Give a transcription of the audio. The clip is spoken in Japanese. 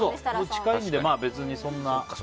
近いので別にそんな。